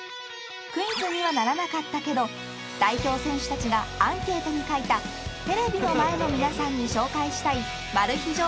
［クイズにはならなかったけど代表選手たちがアンケートに書いたテレビの前の皆さんに紹介したいマル秘情報を２つお届け］